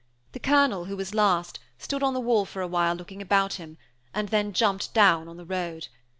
The Colonel, who was last, stood on the wall for awhile, looking about him, and then jumped down on the road.